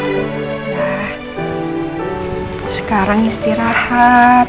nah sekarang istirahat